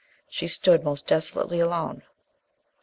She stood most desolately alone.